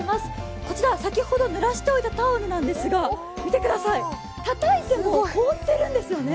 こちらは先ほどぬらしておいたタオルなんですけれども、たたいても凍ってるんですよね。